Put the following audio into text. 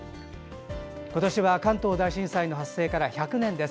今年は関東大震災の発生から１００年です。